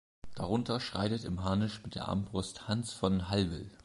Darunter schreitet im Harnisch mit der Armbrust Hans von Hallwyl.